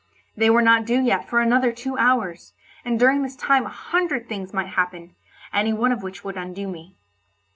They were not due yet for another two hours, and during this time a hundred things might happen, any one of which would undo me.